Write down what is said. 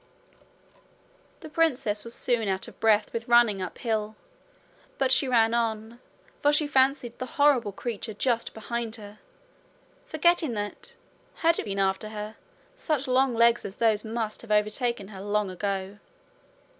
The princess was soon out of breath with running uphill; but she ran on, for she fancied the horrible creature just behind her, forgetting that, had it been after her such long legs as those must have overtaken her long ago.